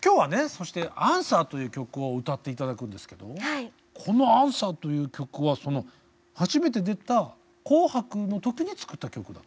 そして「Ａｎｓｗｅｒ」という曲を歌って頂くんですけどこの「Ａｎｓｗｅｒ」という曲は初めて出た「紅白」の時に作った曲だと。